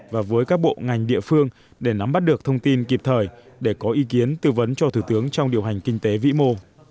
và với các bộ ngành địa phương để nắm bắt được thông tin kịp thời để có ý kiến tư vấn cho thủ tướng trong điều hành kinh tế vĩ mô